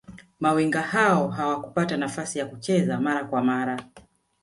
mawinga hao hawakupata nafasi ya kucheza mara kwa mara